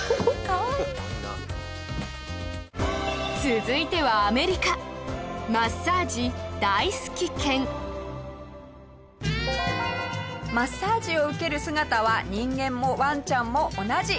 続いては、アメリカマッサージ大好き犬下平：マッサージを受ける姿は人間も、ワンちゃんも同じ。